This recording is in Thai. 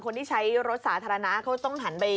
คนที่ใช้รถสาธารณะเขาต้องหันไป